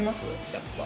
やっぱ。